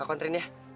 aku anterin ya